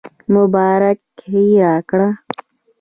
مبارکي راکړه.